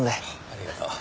ありがとう。